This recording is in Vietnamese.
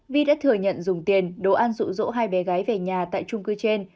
vi đã thừa nhận dùng tiền đồ ăn rụ rỗ hai bé gái về nhà tại trung cư trên